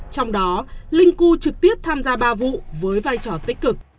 trong đó linh cu trực tiếp tham gia ba vụ với vai trò tích cực